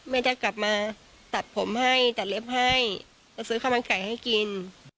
แม่จะกลับมาตัดผมให้ตัดเล็บให้จะซื้อข้าวมันไก่ให้กิน